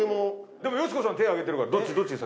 でもよしこさん手挙げてるからどっち先。